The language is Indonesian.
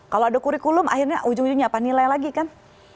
kalau ada kurikulum akhirnya ujung ujungnya apa nilai lagi kan